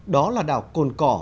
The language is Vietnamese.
đó là đảo cồn cỏ